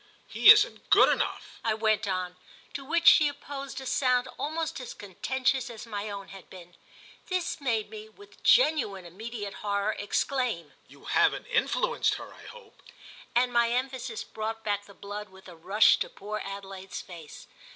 "He isn't good enough!" I went on; to which she opposed a sound almost as contentious as my own had been. This made me, with genuine immediate horror, exclaim: "You haven't influenced her, I hope!" and my emphasis brought back the blood with a rush to poor Adelaide's face.